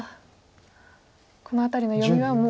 この辺りの読みはもう。